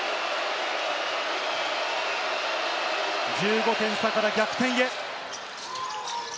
１５点差から逆転へ。